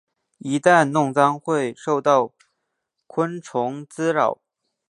一旦弄脏会受到昆虫滋扰。